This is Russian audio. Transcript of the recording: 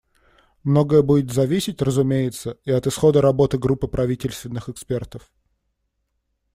Многое будет зависеть, разумеется, и от исхода работы группы правительственных экспертов.